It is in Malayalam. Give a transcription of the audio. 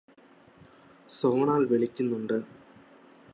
സോണാൽ വിളിക്കുന്നുണ്ട്